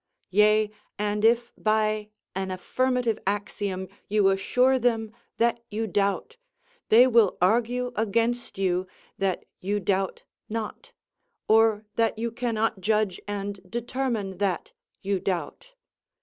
Yea, and if by an affirmative axiom you assure them that you doubt, they will argue against you that you doubt not; or that you cannot judge and determine that you doubt.